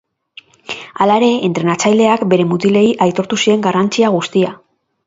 Hala ere, entrenatzaileak bere mutilei aitortu zien garrantzia guztia.